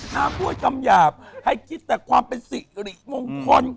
ห้ามพูดคำหยาบให้คิดแต่ความเป็นศิลป์บางคน